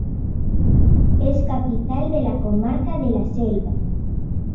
Es capital de la comarca de La Selva.